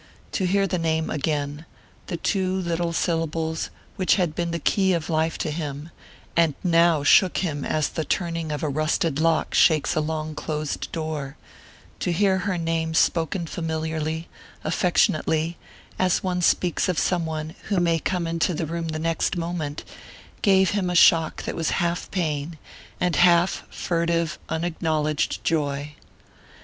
To hear the name again the two little syllables which had been the key of life to him, and now shook him as the turning of a rusted lock shakes a long closed door to hear her name spoken familiarly, affectionately, as one speaks of some one who may come into the room the next moment gave him a shock that was half pain, and half furtive unacknowledged joy.